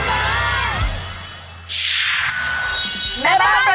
สุดท้ายของแม่บ้านประจันบาล